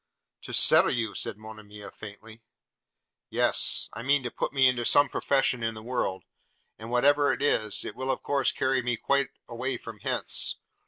'To settle you!' said Monimia, faintly. 'Yes – I mean, to put me into some profession in the world; and whatever it is, it will of course carry me quite away from hence.